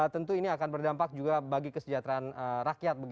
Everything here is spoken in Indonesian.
tentu ini akan berdampak juga bagi kesejahteraan rakyat